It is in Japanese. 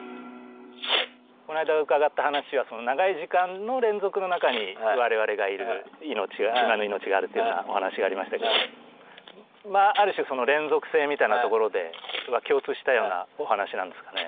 この間伺った話は長い時間の連続の中に我々がいる今の命があるというようなお話がありましたけどまあある種連続性みたいなところでは共通したようなお話なんですかね？